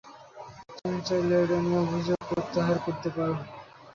তুমি চাইলে এটা নিয়ে অভিযোগ প্রত্যাহার করতে পারো।